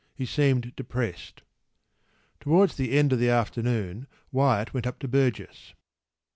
He seemed depressed. Towards the end of the afternoon, Wyatt went up to Burgess.